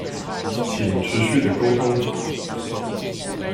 請持續的溝通